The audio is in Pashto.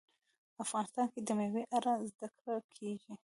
افغانستان کې د مېوې په اړه زده کړه کېږي.